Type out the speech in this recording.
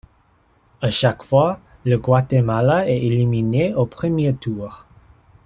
À chaque fois, le Guatemala est éliminé au premier tour.